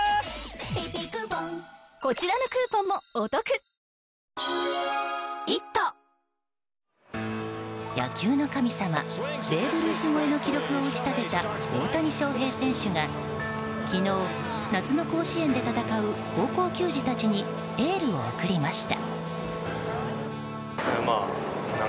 血圧１３０超えたらサントリー「胡麻麦茶」野球の神様ベーブ・ルース超えの記録を打ち立てた大谷翔平選手が昨日、夏の甲子園で戦う高校球児たちにエールを送りました。